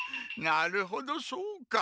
なるほどそうか。